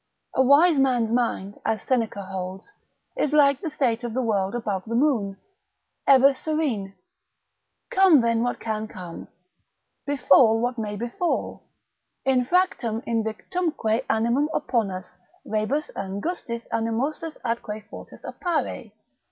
A wise man's mind, as Seneca holds, is like the state of the world above the moon, ever serene. Come then what can come, befall what may befall, infractum invictumque animum opponas: Rebus angustis animosus atque fortis appare.